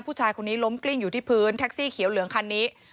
ผู้ชายคนนี้ล้มกลิ้งอยู่ที่พื้นแท็กซี่เขียวเหลืองคันนี้